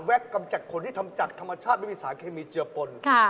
กำจัดคนที่ทำจากธรรมชาติไม่มีสารเคมีเจือปน